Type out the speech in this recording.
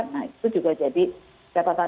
nah itu juga jadi catatan